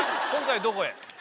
今回はどこへ？